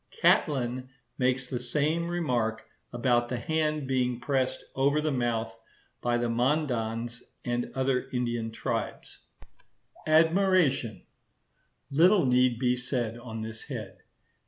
Catlin makes the same remark about the hand being pressed over the mouth by the Mandans and other Indian tribes. Admiration.—Little need be said on this head.